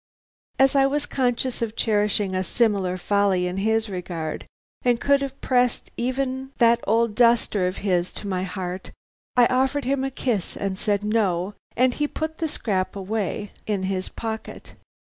"As I was conscious of cherishing a similar folly in his regard, and could have pressed even that old duster of his to my heart, I offered him a kiss and said 'No,' and he put the scrap away in his pocket.